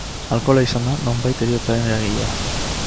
Alkohola izan da, nonbait, heriotzaren eragilea.